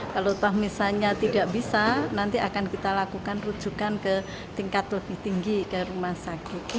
kalau toh misalnya tidak bisa nanti akan kita lakukan rujukan ke tingkat lebih tinggi ke rumah sakit